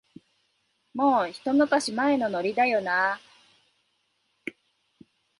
もう、ひと昔前のノリだよなあ